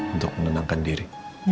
untuk menenangkan diri